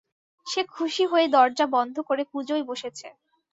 সে খুশি হয়ে দরজা বন্ধ করে পুজোয় বসেছে।